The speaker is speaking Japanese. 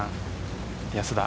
安田。